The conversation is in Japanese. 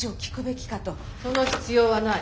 その必要はない。